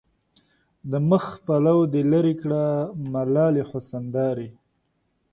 د مخ پلو دې لېري کړه ملالې حسن دارې